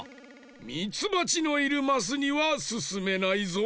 ミツバチのいるマスにはすすめないぞ。